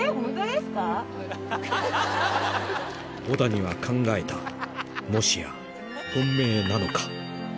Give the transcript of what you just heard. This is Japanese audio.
小谷は考えたもしや本命なのか？